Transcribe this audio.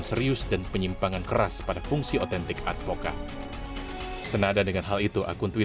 tim pembela jokowi